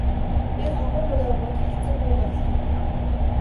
Би хонгор морио өгөөд халзан гүүг авлаа.